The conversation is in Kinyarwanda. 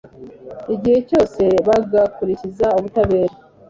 igihe cyose bagakurikiza ubutabera